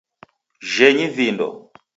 Jhenyi vindo!